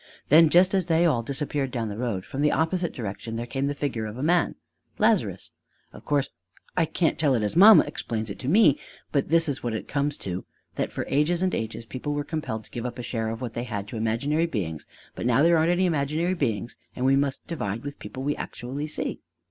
"Then just as they all disappeared down the road, from the opposite direction there came the figure of a man Lazarus. Of course I can't tell it as mamma explains it to me, but this is what it comes to: that for ages and ages people were compelled to give up a share of what they had to imaginary beings; but now there aren't any imaginary beings, and we must divide with people we actually see."